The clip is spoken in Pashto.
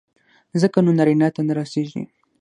ځکه نو نارينه ته نه رسېږي.